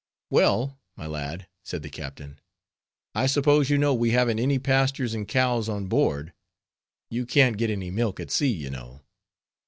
"Well, my lad," said the captain, "I suppose you know we haven't any pastures and cows on board; you can't get any milk at sea, you know."